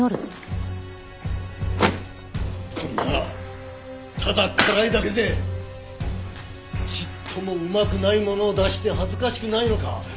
こんなただ辛いだけでちっともうまくないものを出して恥ずかしくないのか？